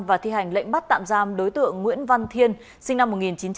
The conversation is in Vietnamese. và thi hành lệnh bắt tạm giam đối tượng nguyễn văn thiên sinh năm một nghìn chín trăm tám mươi